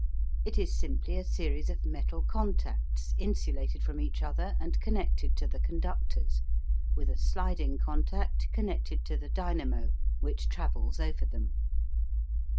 It is simply a series of metal contacts insulated from each other and connected to the conductors, with a sliding contact connected to the dynamo which travels over them.